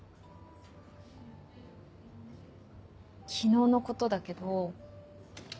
昨日のことだけど。